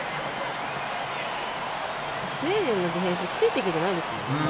スウェーデンのディフェンスついていけてないです。